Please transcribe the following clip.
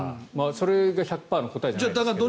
それが１００％の答えじゃないですけど。